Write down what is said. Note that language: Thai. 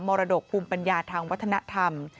รดกภูมิปัญญาทางวัฒนธรรม